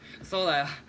そうだよ。